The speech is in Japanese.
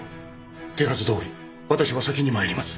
手はずどおり私は先に参ります。